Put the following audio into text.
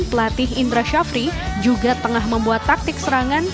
pelatih indra syafri juga tengah membuat taktik serangan